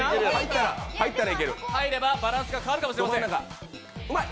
入ればバランスが変わるかもしれません。